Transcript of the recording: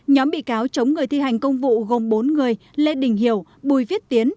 nhóm bị cáo chống người thi hành công vụ gồm bốn người lê đình hiểu bùi viết tiến